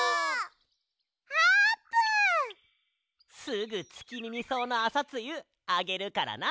すぐツキミミそうのあさつゆあげるからな！